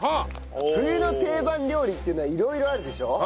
冬の定番料理っていうのは色々あるでしょ？